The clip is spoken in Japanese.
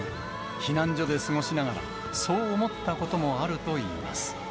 避難所で過ごしながら、そう思ったこともあるといいます。